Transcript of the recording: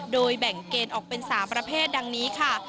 โดยแบ่งเกณฑ์ออกเป็น๓ประเภทดังนี้ค่ะ